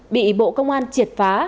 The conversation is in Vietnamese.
bị bộ công an triệt phá